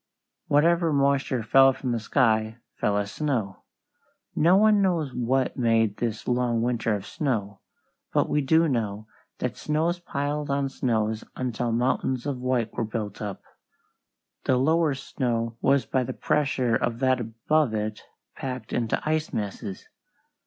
Whatever moisture fell from the sky fell as snow. No one knows what made this long winter of snow, but we do know that snows piled on snows until mountains of white were built up. The lower snow was by the pressure of that above it packed into ice masses.